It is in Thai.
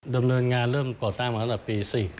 ดำเนินงานเริ่มก่อสร้างมาตั้งแต่ปี๔๙